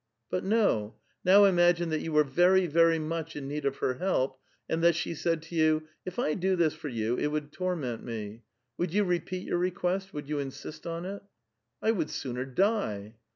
" "But no; now imagine that you were very, very much in need of her help, and that she said to you, ' If I do this for you, it would torment me,' would you repeat your request, would vou insist on it ?"" I would sooner die."